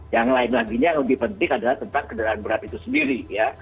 yang lain laginya yang lebih penting adalah tentang kendaraan berat itu sendiri ya